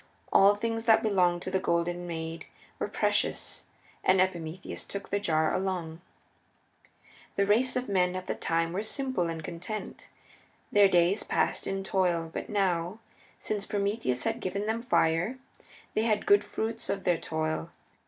All things that belonged to the Golden Maid were precious, and Epimetheus took the jar along. The race of men at the time were simple and content. Their days were passed in toil, but now, since Prometheus had given them fire, they had good fruits of their toil.